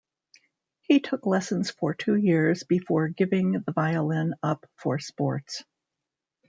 He took lessons for two years before giving the violin up for sports.